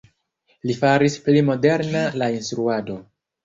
Li faris pli moderna la instruadon.